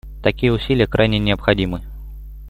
Такие усилия крайне необходимы.